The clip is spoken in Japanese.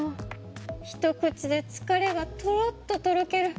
一口で疲れがトロッととろける。